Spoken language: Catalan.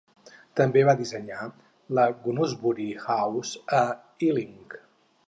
També va dissenyar la Gunnersbury House a Ealing.